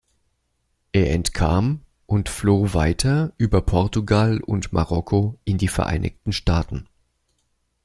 Er entkam und floh weiter über Portugal und Marokko in die Vereinigten Staaten.